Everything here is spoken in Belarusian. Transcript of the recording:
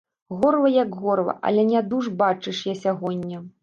Горла як горла, але нядуж, бачыш, я сягоння.